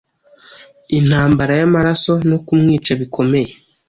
Intambarayamaraso no kumwica bikomeye